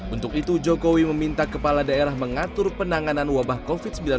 untuk itu jokowi meminta kepala daerah mengatur penanganan wabah covid sembilan belas